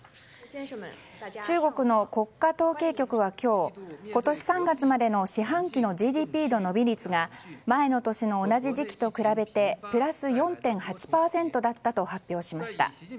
中国の国家統計局は今日今年３月までの四半期のＧＤＰの伸び率が前の年の同じ時期と比べてプラス４．８％だったと発表しました。